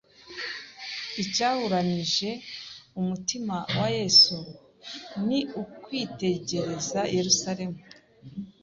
Icyahuranyije umutima wa Yesu, ni ukwitegereza Yerusalemu